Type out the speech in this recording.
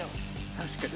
確かに。